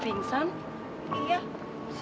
apain germin tuh